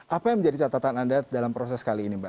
apa yang menjadi catatan anda dalam proses kali ini mbak